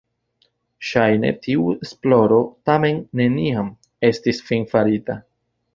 Ŝajne tiu esploro tamen neniam estis finfarita.